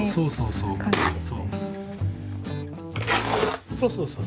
そうそうそうそう。